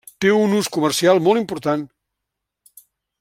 Té un ús comercial molt important.